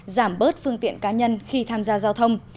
giảm bớt phương tiện cá nhân khi tham gia giao thông